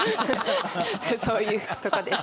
そういうとこです。